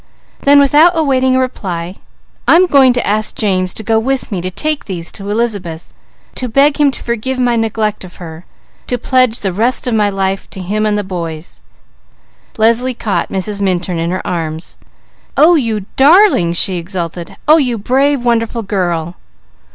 Then without awaiting a reply: "I'm going to ask James to go with me to take these to Elizabeth, to beg him to forgive my neglect of her; to pledge the rest of my life to him and the boys." Leslie caught Mrs. Minturn in her arms. "Oh you darling!" she exulted. "Oh you brave, wonderful girl!"